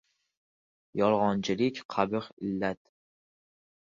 Yolg‘onchilik — qabih illat.